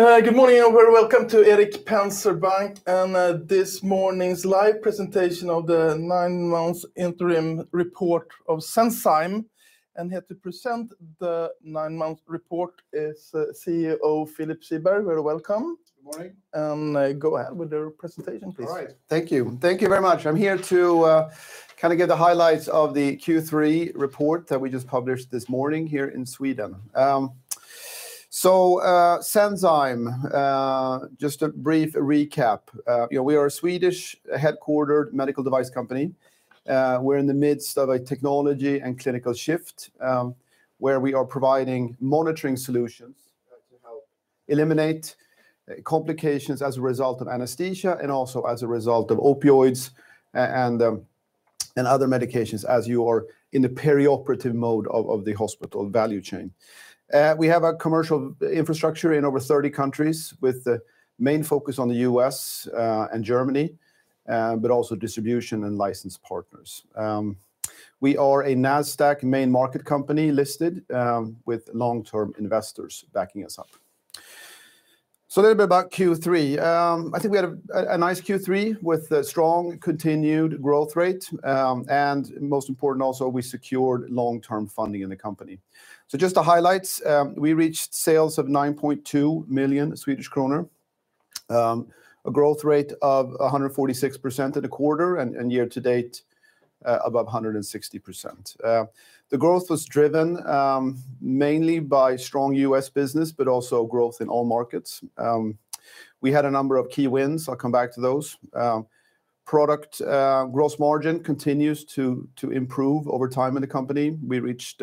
Good morning, and very welcome to Erik Penser Bank and this morning's live presentation of the nine-month interim report of Senzime. Here to present the nine-month report is CEO Philip Siberg. Very welcome. Good morning. Go ahead with the presentation, please. All right. Thank you. Thank you very much. I'm here to kind of give the highlights of the Q3 report that we just published this morning here in Sweden. Senzime, just a brief recap. You know, we are a Swedish-headquartered medical device company. We're in the midst of a technology and clinical shift, where we are providing monitoring solutions to help eliminate complications as a result of anesthesia, and also as a result of opioids and other medications as you are in the perioperative mode of the hospital value chain. We have a commercial infrastructure in over 30 countries with the main focus on the U.S. and Germany, but also distribution and license partners. We are a Nasdaq main market company listed, with long-term investors backing us up. So a little bit about Q3. I think we had a nice Q3 with a strong continued growth rate. And most important also, we secured long-term funding in the company. So just the highlights, we reached sales of 9.2 million Swedish kronor, a growth rate of 146% in the quarter, and year to date, above 160%. The growth was driven, mainly by strong U.S. business, but also growth in all markets. We had a number of key wins. I'll come back to those. Product gross margin continues to improve over time in the company. We reached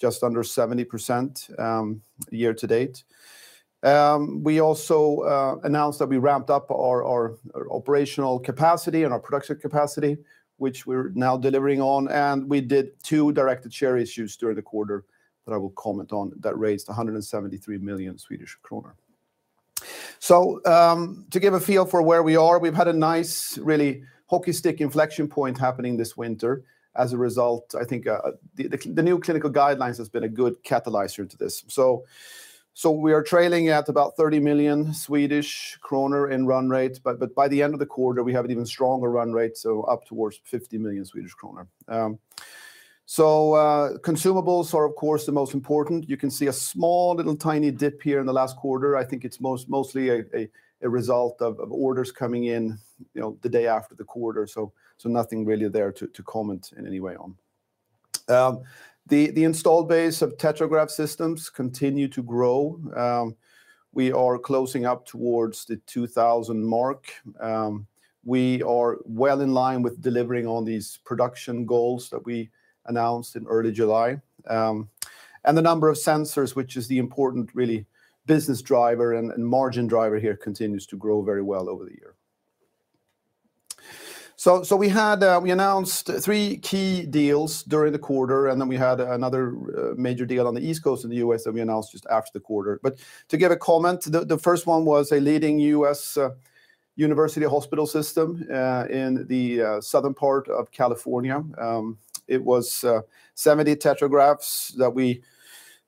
just under 70%, year to date. We also announced that we ramped up our operational capacity and our production capacity, which we're now delivering on, and we did two directed share issues during the quarter that I will comment on, that raised 173 million Swedish kronor. So, to give a feel for where we are, we've had a nice, really hockey stick inflection point happening this winter. As a result, I think, the new clinical guidelines has been a good catalyst to this. So we are trailing at about 30 million Swedish kronor in run rate, but by the end of the quarter, we have an even stronger run rate, so up towards 50 million Swedish kronor. So, consumables are, of course, the most important. You can see a small, little, tiny dip here in the last quarter. I think it's mostly a result of orders coming in, you know, the day after the quarter, so nothing really there to comment in any way on. The installed base of TetraGraph systems continues to grow. We are closing up towards the 2,000 mark. We are well in line with delivering on these production goals that we announced in early July. And the number of sensors, which is the important, really, business driver and margin driver here, continues to grow very well over the year. So we announced three key deals during the quarter, and then we had another major deal on the East Coast of the U.S. that we announced just after the quarter. But to give a comment, the first one was a leading U.S. university hospital system in the southern part of California. It was 70 TetraGraphs that we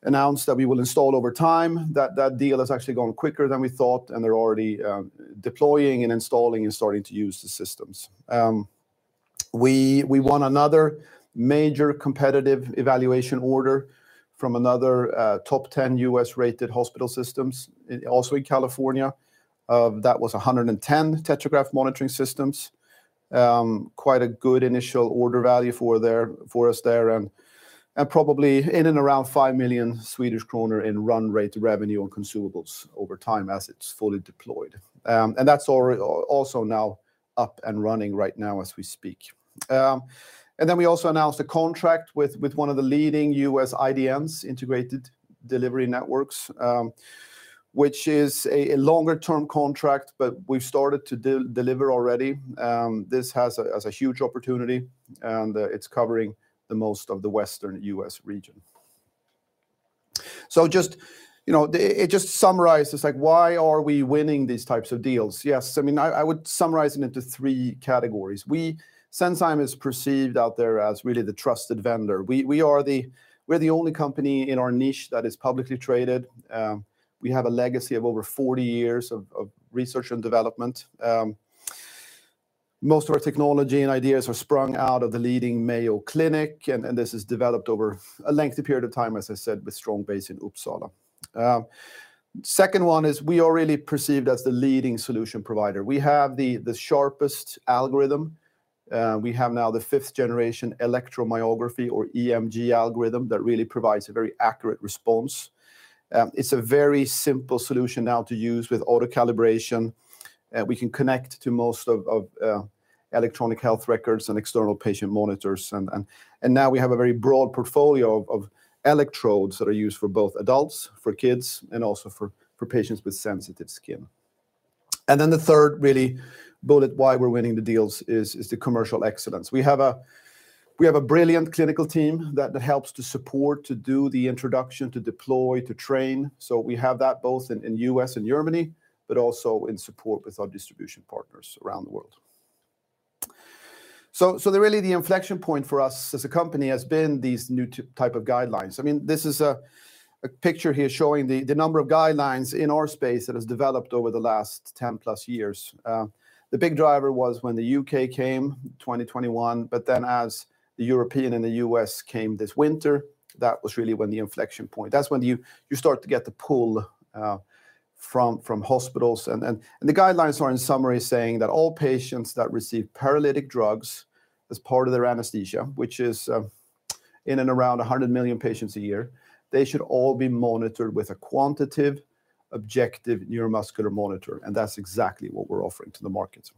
announced that we will install over time. That deal has actually gone quicker than we thought, and they're already deploying and installing, and starting to use the systems. We won another major competitive evaluation order from another top 10 U.S.-rated hospital systems, also in California. That was 110 TetraGraph monitoring systems. Quite a good initial order value for us there, and probably in and around 5 million Swedish kronor in run rate revenue on consumables over time as it's fully deployed. And that's also now up and running right now as we speak. And then we also announced a contract with one of the leading US IDNs, integrated delivery networks, which is a longer-term contract, but we've started to deliver already. This has a huge opportunity, and it's covering most of the Western US region. So just, you know, it just summarizes, like, why are we winning these types of deals? Yes, I mean, I would summarize it into three categories. Senzime is perceived out there as really the trusted vendor. We are the only company in our niche that is publicly traded. We have a legacy of over 40 years of research and development. Most of our technology and ideas are sprung out of the leading Mayo Clinic, and this is developed over a lengthy period of time, as I said, with strong base in Uppsala. Second one is we are really perceived as the leading solution provider. We have the sharpest algorithm. We have now the fifth generation electromyography or EMG algorithm that really provides a very accurate response. It's a very simple solution now to use with auto-calibration. We can connect to most of electronic health records and external patient monitors. And now we have a very broad portfolio of electrodes that are used for both adults, for kids, and also for patients with sensitive skin. And then the third really bullet why we're winning the deals is the commercial excellence. We have a brilliant clinical team that helps to support, to do the introduction, to deploy, to train. So we have that both in the U.S. and Germany, but also in support with our distribution partners around the world. So the really, the inflection point for us as a company has been these new type of guidelines. I mean, this is a picture here showing the number of guidelines in our space that has developed over the last 10+ years. The big driver was when the U.K. came, 2021, but then as the European and the U.S. came this winter, that was really when the inflection point. That's when you start to get the pull from hospitals. The guidelines are in summary saying that all patients that receive paralytic drugs as part of their anesthesia, which is in and around 100 million patients a year, they should all be monitored with a quantitative, objective neuromuscular monitor, and that's exactly what we're offering to the markets.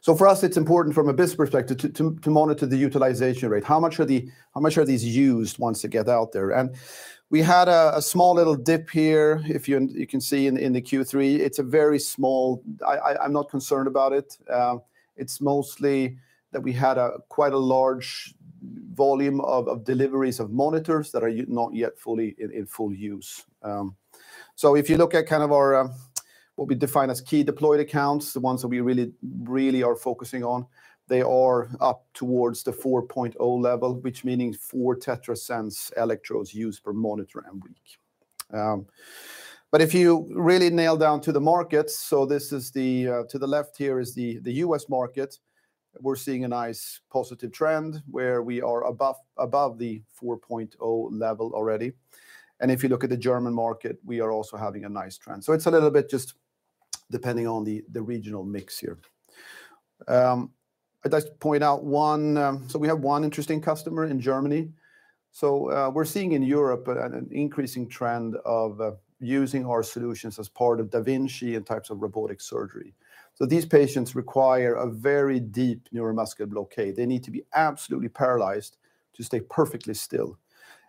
So for us, it's important from a business perspective to monitor the utilization rate. How much are these used once they get out there? And we had a small little dip here, you can see in the Q3. It's a very small... I'm not concerned about it. It's mostly that we had a quite large volume of deliveries of monitors that are not yet fully in full use. So if you look at kind of our what we define as key deployed accounts, the ones that we really, really are focusing on, they are up towards the 4.0 level, which meaning four TetraSens electrodes used per monitor and week. But if you really nail down to the markets, so this is the to the left here is the U.S. market. We're seeing a nice positive trend, where we are above the 4.0 level already. And if you look at the German market, we are also having a nice trend. So it's a little bit just depending on the regional mix here. I'd like to point out one. So we have one interesting customer in Germany. So, we're seeing in Europe an increasing trend of using our solutions as part of da Vinci and types of robotic surgery. So these patients require a very deep neuromuscular blockade. They need to be absolutely paralyzed to stay perfectly still,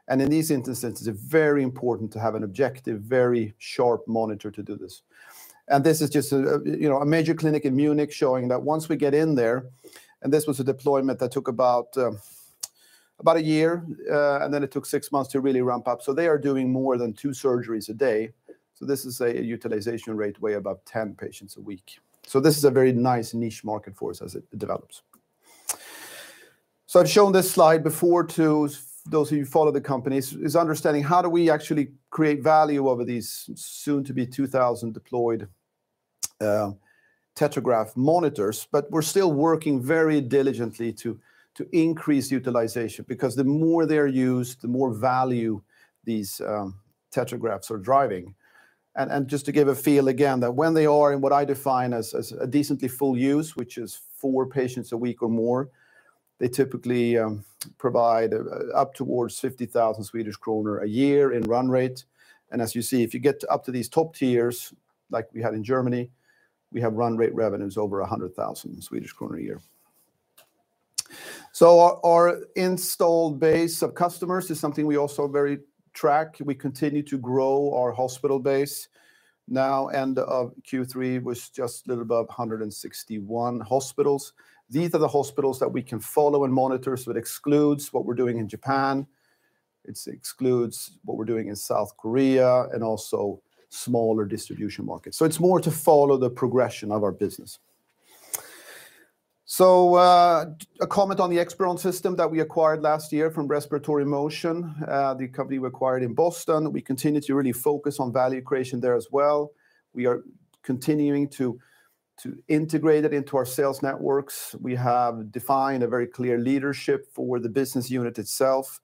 and in these instances, it's very important to have an objective, very sharp monitor to do this. And this is just a, you know, a major clinic in Munich showing that once we get in there, and this was a deployment that took about a year, and then it took six months to really ramp up. So they are doing more than two surgeries a day. So this is a utilization rate way above 10 patients a week. So this is a very nice niche market for us as it develops. So I've shown this slide before to those of you who follow the company. It's understanding how do we actually create value over these soon-to-be 2,000 deployed TetraGraph monitors, but we're still working very diligently to increase utilization. Because the more they're used, the more value these TetraGraphs are driving. And just to give a feel again, that when they are in what I define as a decently full use, which is four patients a week or more, they typically provide up towards 50,000 Swedish kronor a year in run rate. And as you see, if you get up to these top tiers, like we had in Germany, we have run rate revenues over 100,000 a year. So our installed base of customers is something we also very track. We continue to grow our hospital base. Now, end of Q3 was just a little above 161 hospitals. These are the hospitals that we can follow and monitor, so it excludes what we're doing in Japan, it excludes what we're doing in South Korea, and also smaller distribution markets. So it's more to follow the progression of our business. So, a comment on the ExSpiron system that we acquired last year from Respiratory Motion, the company we acquired in Boston. We continue to really focus on value creation there as well. We are continuing to integrate it into our sales networks. We have defined a very clear leadership for the business unit itself.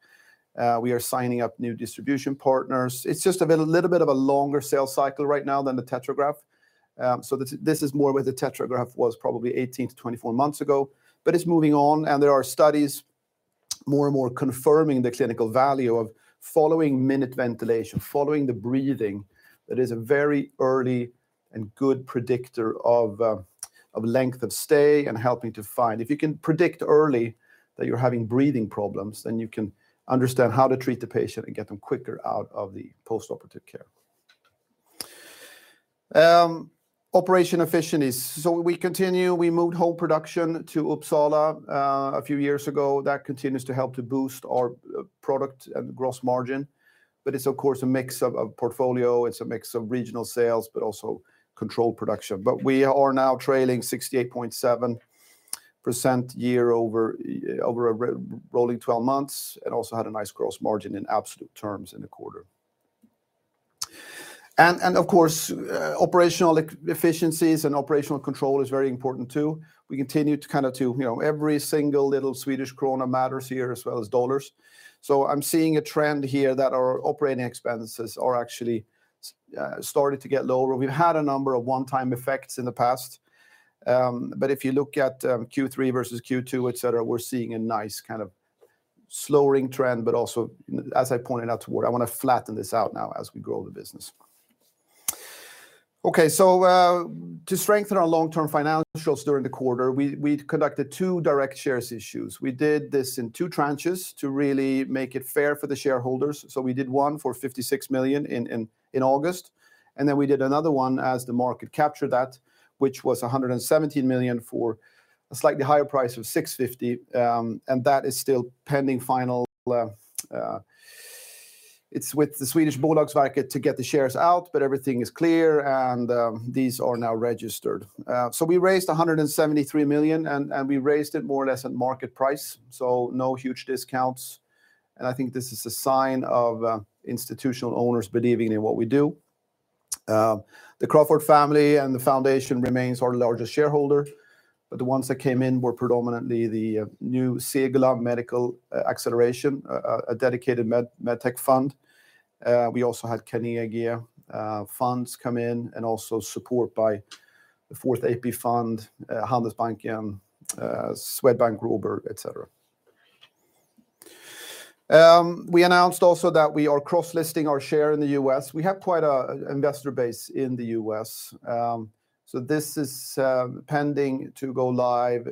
We are signing up new distribution partners. It's just a bit, a little bit of a longer sales cycle right now than the TetraGraph. So this is more where the TetraGraph was probably 18-24 months ago, but it's moving on, and there are studies more and more confirming the clinical value of following minute ventilation, following the breathing. That is a very early and good predictor of length of stay and helping to find... If you can predict early that you're having breathing problems, then you can understand how to treat the patient and get them quicker out of the postoperative care. Operation efficiencies. So we continue, we moved whole production to Uppsala a few years ago. That continues to help to boost our product and gross margin, but it's, of course, a mix of portfolio, it's a mix of regional sales, but also controlled production. But we are now trailing 68.7% year-over-year over a rolling 12 months, and also had a nice gross margin in absolute terms in the quarter. And of course, operational efficiencies and operational control is very important, too. We continue to kind of, you know, every single little Swedish Krona matters here, as well as dollars. So I'm seeing a trend here that our operating expenses are actually starting to get lower. We've had a number of one-time effects in the past, but if you look at Q3 versus Q2, et cetera, we're seeing a nice kind of slowing trend, but also, as I pointed out toward, I want to flatten this out now as we grow the business. Okay, so to strengthen our long-term financials during the quarter, we, we conducted two directed share issues. We did this in two tranches to really make it fair for the shareholders. So we did one for 56 million in August, and then we did another one as the market captured that, which was 117 million for a slightly higher price of 650. And that is still pending final. It's with the Swedish Bolagsverket to get the shares out, but everything is clear, and these are now registered. So we raised 173 million, and we raised it more or less at market price, so no huge discounts, and I think this is a sign of institutional owners believing in what we do. The Crafoord family and the foundation remains our largest shareholder, but the ones that came in were predominantly the new Segulah Medical Acceleration, a dedicated med-tech fund. We also had Carnegie funds come in, and also support by the Fourth AP Fund, Handelsbanken, Swedbank Robur, et cetera. We announced also that we are cross-listing our share in the U.S. We have quite a investor base in the U.S. So this is pending to go live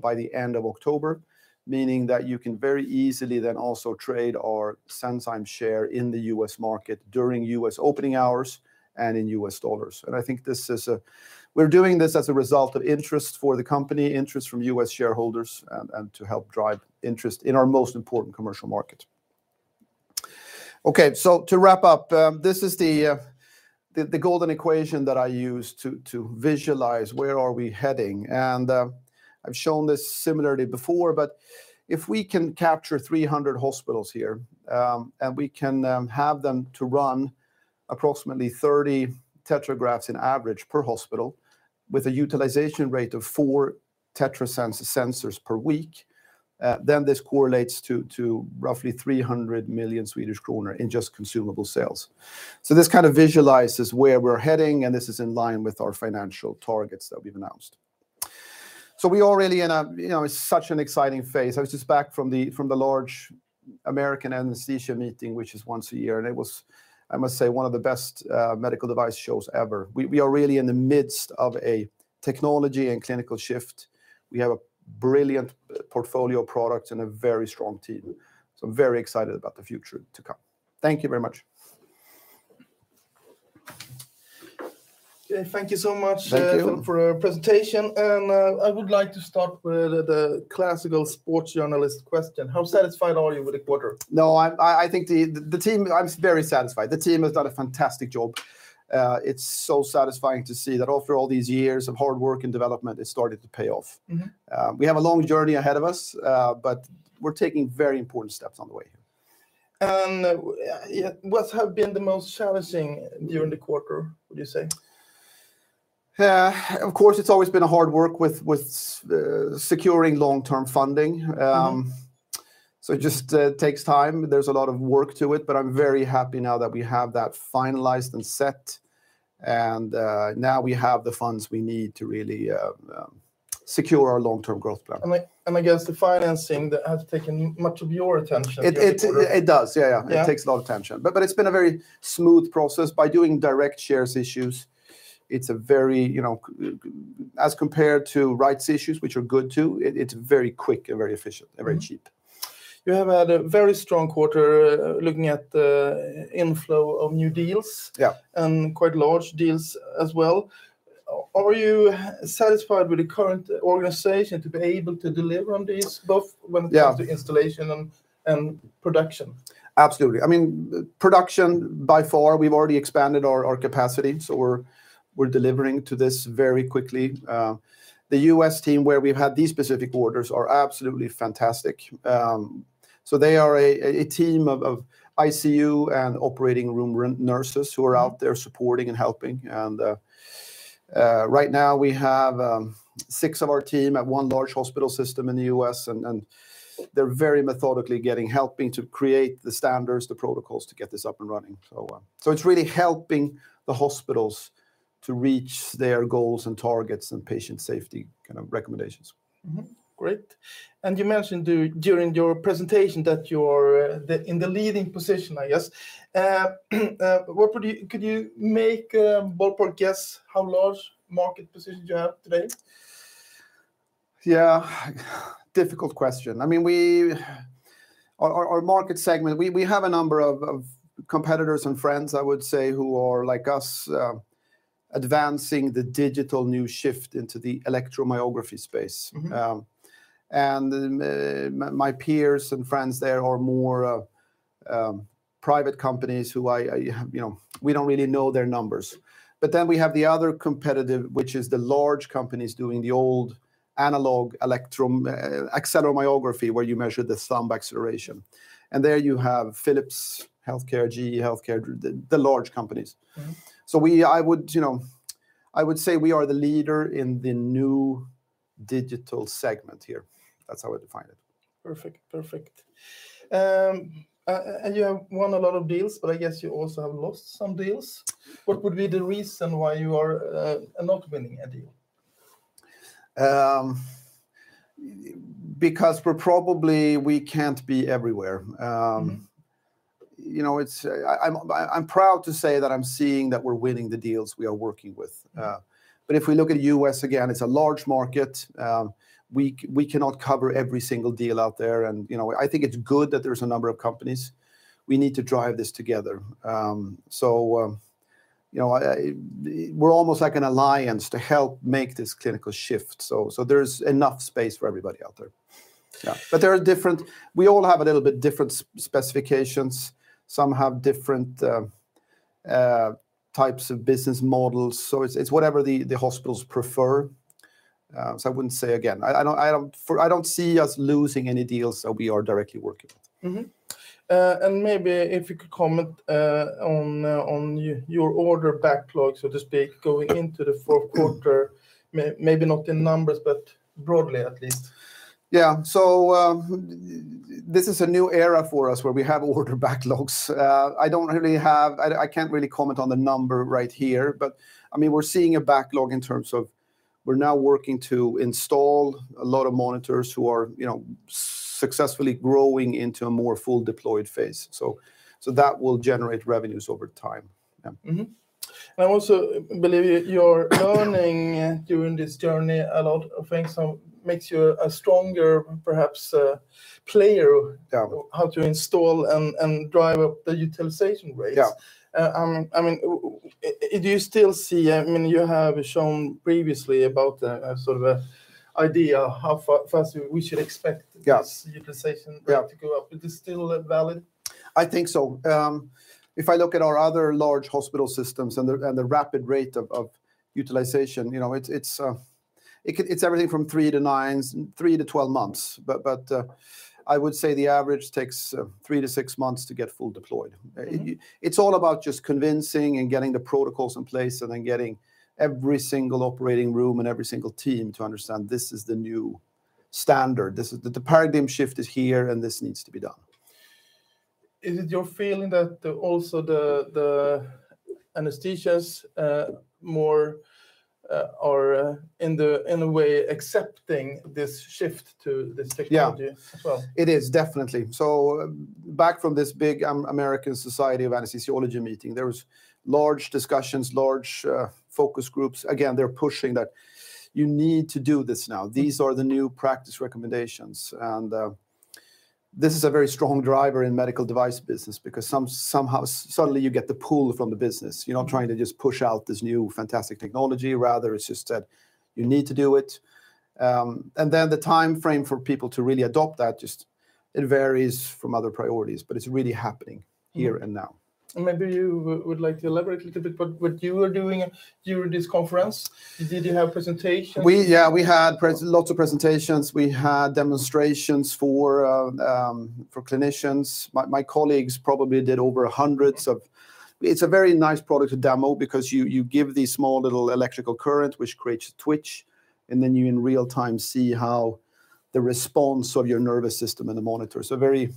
by the end of October, meaning that you can very easily then also trade our Senzime share in the U.S. market during U.S. opening hours and in U.S. dollars. And I think this is. We're doing this as a result of interest for the company, interest from U.S. shareholders, and, and to help drive interest in our most important commercial market. Okay, so to wrap up, this is the golden equation that I use to visualize where are we heading, and I've shown this similarly before, but if we can capture 300 hospitals here, and we can have them to run approximately 30 TetraGraphs on average per hospital, with a utilization rate of 4 TetraSens per week, then this correlates to roughly 300 million Swedish kronor in just consumable sales. So this kind of visualizes where we're heading, and this is in line with our financial targets that we've announced. So we are really in a, you know, it's such an exciting phase. I was just back from the large American anesthesia meeting, which is once a year, and it was, I must say, one of the best medical device shows ever. We are really in the midst of a technology and clinical shift. We have a brilliant portfolio of products and a very strong team, so I'm very excited about the future to come. Thank you very much. Okay, thank you so much- Thank you. For your presentation, and I would like to start with the classical sports journalist question. How satisfied are you with the quarter? No, I think the team—I'm very satisfied. The team has done a fantastic job. It's so satisfying to see that after all these years of hard work and development, it's started to pay off. Mm-hmm. We have a long journey ahead of us, but we're taking very important steps on the way. Yeah, what have been the most challenging during the quarter, would you say? Yeah, of course, it's always been a hard work with securing long-term funding. Mm-hmm. So it just takes time. There's a lot of work to it, but I'm very happy now that we have that finalized and set, and now we have the funds we need to really secure our long-term growth plan. I guess the financing, that has taken much of your attention- It does. Yeah, yeah. Yeah. It takes a lot of attention. But it's been a very smooth process. By doing directed share issues, it's a very, you know... As compared to rights issues, which are good, too, it's very quick and very efficient- Mm. -and very cheap. You have had a very strong quarter looking at the inflow of new deals. Yeah. Quite large deals as well. Are you satisfied with the current organization to be able to deliver on these, both- Yeah... when it comes to installation and production? Absolutely. I mean, production, by far, we've already expanded our capacity, so we're delivering to this very quickly. The US team, where we've had these specific orders, are absolutely fantastic. So they are a team of ICU and operating room nurses who are out there supporting and helping, and right now we have six of our team at one large hospital system in the US, and they're very methodically getting, helping to create the standards, the protocols to get this up and running, so. So it's really helping the hospitals to reach their goals and targets, and patient safety kind of recommendations. Mm-hmm. Great. And you mentioned during your presentation that you're in the leading position, I guess. Could you make a ballpark guess how large market position do you have today? Yeah, difficult question. I mean, our market segment, we have a number of competitors and friends, I would say, who are, like us, advancing the digital new shift into the electromyography space. Mm-hmm. My peers and friends, there are more private companies who I, you know, we don't really know their numbers. But then we have the other competitors, which is the large companies doing the old analog acceleromyography, where you measure the thumb acceleration. And there you have Philips Healthcare, GE Healthcare, the large companies. Mm-hmm. So, I would, you know, I would say we are the leader in the new digital segment here. That's how I define it. Perfect. Perfect. You have won a lot of deals, but I guess you also have lost some deals. What would be the reason why you are not winning a deal? Because we're probably, we can't be everywhere. Mm-hmm. You know, I'm proud to say that I'm seeing that we're winning the deals we are working with. Yeah. But if we look at U.S., again, it's a large market. We cannot cover every single deal out there, and you know, I think it's good that there's a number of companies. We need to drive this together. You know, I, we're almost like an alliance to help make this clinical shift. So, there's enough space for everybody out there. Yeah. But there are different. We all have a little bit different specifications. Some have different types of business models, so it's whatever the hospitals prefer. So I wouldn't say again. I don't see us losing any deals that we are directly working on. Mm-hmm. Maybe if you could comment on your order backlogs, so to speak, going into the Q4? Maybe not in numbers, but broadly at least. Yeah, so, this is a new era for us, where we have order backlogs. I don't really have... I can't really comment on the number right here, but, I mean, we're seeing a backlog in terms of we're now working to install a lot of monitors who are, you know, successfully growing into a more full deployed phase. So, that will generate revenues over time. Yeah. Mm-hmm. And I also believe you're learning during this journey a lot of things, so makes you a stronger, perhaps, player- Yeah... how to install and drive up the utilization rates. Yeah. Do you still see, I mean, you have shown previously about a sort of an idea how fast we should expect- Yes... this utilization- Yeah... rate to go up. It is still, valid? I think so. If I look at our other large hospital systems and the rapid rate of utilization, you know, it's everything from 3 to 9s, 3 to 12 months. But I would say the average takes 3 to 6 months to get full deployed. Mm-hmm. You, it's all about just convincing and getting the protocols in place, and then getting every single operating room and every single team to understand this is the new standard. This, the paradigm shift, is here, and this needs to be done. Is it your feeling that also the anesthesiologists more are in a way accepting this shift to this technology? Yeah... as well? It is, definitely. So back from this big, American Society of Anesthesiologists meeting, there was large discussions, large, focus groups. Again, they're pushing that, "You need to do this now. These are the new practice recommendations." And, this is a very strong driver in medical device business because somehow, suddenly you get the pull from the business. Mm-hmm. You're not trying to just push out this new, fantastic technology. Rather, it's just that you need to do it. And then the timeframe for people to really adopt that just, it varies from other priorities, but it's really happening- Mm... here and now. Maybe you would like to elaborate a little bit what, what you were doing during this conference? Did you have presentations? We... Yeah, we had lots of presentations. We had demonstrations for clinicians. My colleagues probably did over hundreds of... It's a very nice product to demo because you give these small, little electrical current, which creates a twitch, and then you in real time see how the response of your nervous system and the monitor. So very...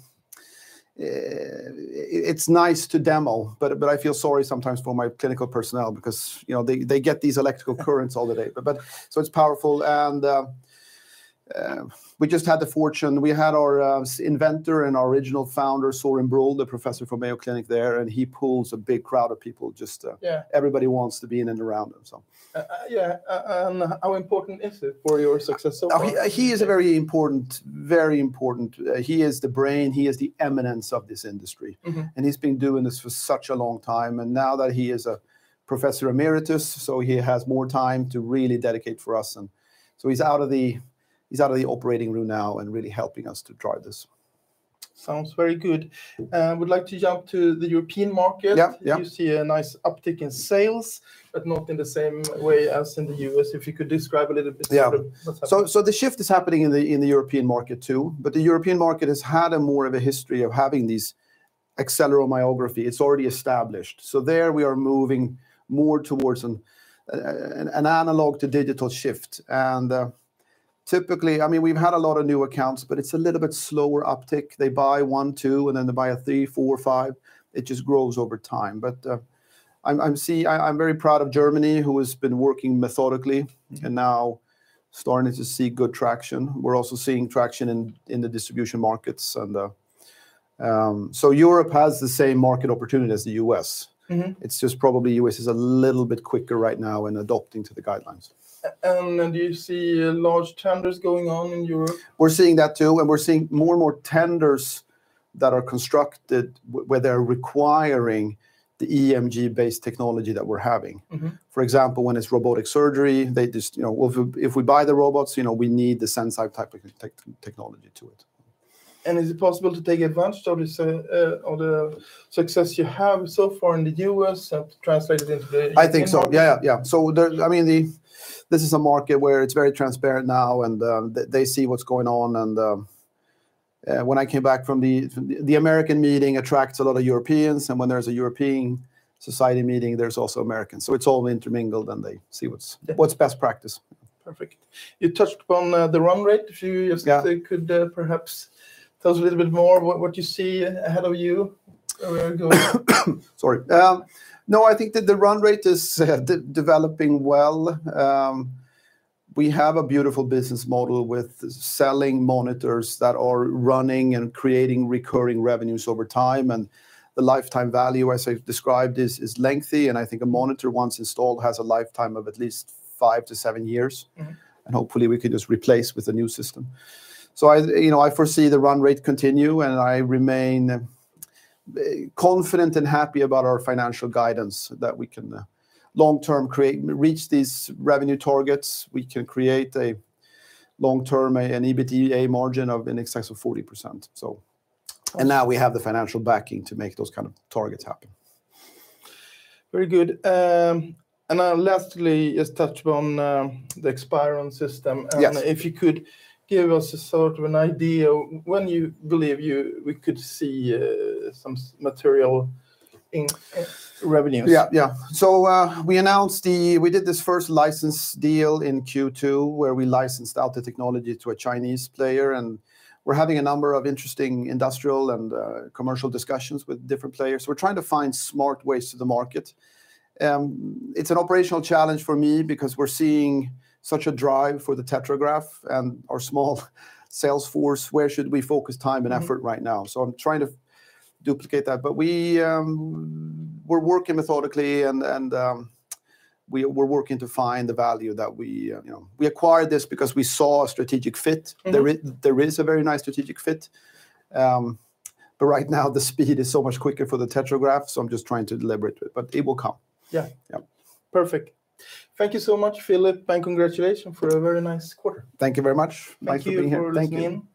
it's nice to demo, but I feel sorry sometimes for my clinical personnel because, you know, they get these electrical currents... all the day. But so it's powerful, and we just had the fortune. We had our inventor and original founder, Sorin Brull, the professor from Mayo Clinic there, and he pulls a big crowd of people just to- Yeah... everybody wants to be in and around him, so. Yeah. And how important is it for your success so far? Oh, he is a very important, very important. He is the brain, he is the eminence of this industry. Mm-hmm. He's been doing this for such a long time, and now that he is a professor emeritus, so he has more time to really dedicate for us, and so he's out of the... He's out of the operating room now and really helping us to drive this. Sounds very good. Would like to jump to the European market. Yeah, yeah. You see a nice uptick in sales, but not in the same way as in the U.S. If you could describe a little bit- Yeah... what's happening. So the shift is happening in the European market, too, but the European market has had more of a history of having these acceleromyography. It's already established. So there, we are moving more towards an analog to digital shift, and typically, I mean, we've had a lot of new accounts, but it's a little bit slower uptick. They buy 1, 2, and then they buy 3, 4, 5. It just grows over time, but I'm seeing—I'm very proud of Germany, who has been working methodically- Mm... and now starting to see good traction. We're also seeing traction in the distribution markets, and so Europe has the same market opportunity as the U.S. Mm-hmm. It's just probably the U.S. is a little bit quicker right now in adopting the guidelines. Do you see large tenders going on in Europe? We're seeing that, too, and we're seeing more and more tenders that are constructed where they're requiring the EMG-based technology that we're having. Mm-hmm. For example, when it's robotic surgery, they just, you know, well, if we buy the robots, you know, we need the Senzime type of technology to it. Is it possible to take advantage of this, of the success you have so far in the U.S., translated into the European market? I think so. Yeah, yeah. So I mean, this is a market where it's very transparent now, and they, they see what's going on, and when I came back from the... The American meeting attracts a lot of Europeans, and when there's a European society meeting, there's also Americans. So it's all intermingled, and they see what's- Yeah... what's best practice. Perfect. You touched upon the run rate. If you- Yeah... just could, perhaps tell us a little bit more what, what you see ahead of you or go- Sorry. No, I think that the run rate is developing well. We have a beautiful business model with selling monitors that are running and creating recurring revenues over time, and the lifetime value, as I've described, is lengthy, and I think a monitor, once installed, has a lifetime of at least 5-7 years. Mm-hmm. Hopefully we can just replace with a new system. I, you know, I foresee the run rate continue, and I remain confident and happy about our financial guidance, that we can long term reach these revenue targets. We can create a long-term EBITDA margin of in excess of 40%, so. Now we have the financial backing to make those kind of targets happen. Very good. Lastly, let's touch upon the ExSpiron system- Yes... and if you could give us a sort of an idea when you believe you, we could see, some material in-... revenues. Yeah, yeah. So, we announced the- we did this first license deal in Q2, where we licensed out the technology to a Chinese player, and we're having a number of interesting industrial and commercial discussions with different players. We're trying to find smart ways to the market. It's an operational challenge for me because we're seeing such a drive for the TetraGraph, and our small sales force, where should we focus time and effort- Mm... right now? So I'm trying to duplicate that. But we, we're working methodically, and we're working to find the value that we, you know... We acquired this because we saw a strategic fit. Mm-hmm. There is a very nice strategic fit. But right now, the speed is so much quicker for the TetraGraph, so I'm just trying to deliberate, but it will come. Yeah. Yeah. Perfect. Thank you so much, Philip, and congratulations for a very nice quarter. Thank you very much. Thank you for being here. Thank you for listening.